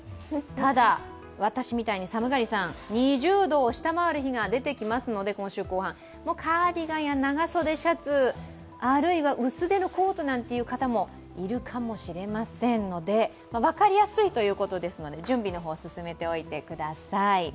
ただ、私みたいに寒がりさん２０度を下回る日が出てきますので今週後半、カーディガンや長袖シャツ、あるいは薄手のコートの方もいるかもしれないので、分かりやすいということですので準備の方、進めておいてください。